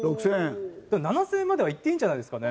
７０００円まではいっていいんじゃないですかね？